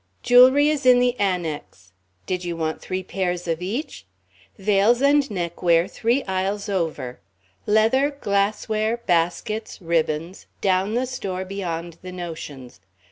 Jewelry is in the Annex. Did you want three pairs of each? Veils and neckwear three aisles over. Leather, glassware, baskets, ribbons, down the store beyond the notions.